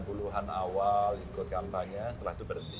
ya sekitar tahun sembilan puluh an awal ikut kampanye setelah itu berhenti